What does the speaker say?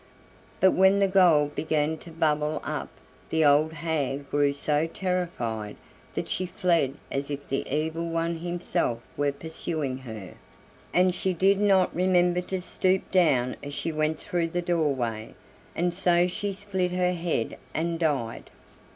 But when the gold began to bubble up the old hag grew so terrified that she fled as if the Evil One himself were pursuing her, and she did not remember to stoop down as she went through the doorway, and so she split her head and died.